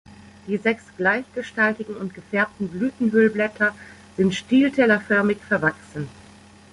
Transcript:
Die sechs gleichgestaltigen und -gefärbten Blütenhüllblätter sind stieltellerförmig verwachsen.